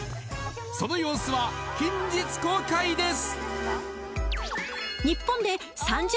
その様子は近日公開です